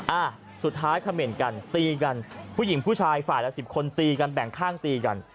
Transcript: อ่าสุดท้ายเขม่นกันตีกันผู้หญิงผู้ชายฝ่ายละสิบคนตีกันแบ่งข้างตีกัน